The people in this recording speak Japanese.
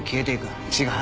違う！